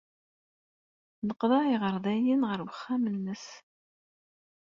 Neqḍeɛ iɣerdayen seg wexxam-nnes.